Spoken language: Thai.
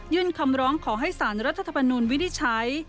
คำร้องขอให้สารรัฐธรรมนูลวินิจฉัย